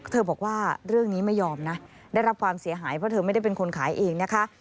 บอกว่าเรื่องนี้ไม่ยอมนะได้รับความเสียหายเพราะเธอไม่ได้เป็นคนขายเองนะคะ